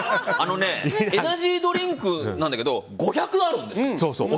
エナジードリンクなんだけど５００あるんですよ。